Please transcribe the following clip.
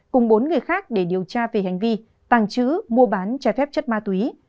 cùng bốn người khác để điều tra về hành vi tàng trứ mua bán trẻ phép chất ma túy